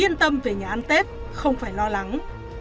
yên tâm về nhà ăn tết không phải lo lắng